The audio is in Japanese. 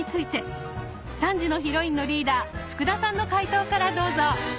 ３時のヒロインのリーダー福田さんの解答からどうぞ！